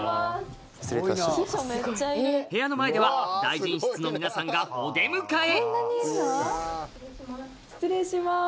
部屋の前では大臣室の皆さんがお出迎え失礼します。